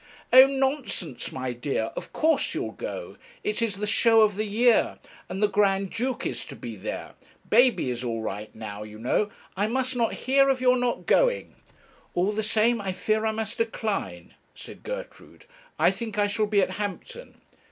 'Oh! nonsense, my dear; of course you'll go; it's the show of the year, and the Grand duke is to be there baby is all right now, you know; I must not hear of your not going.' 'All the same I fear I must decline,' said Gertrude; 'I think I shall be at Hampton.'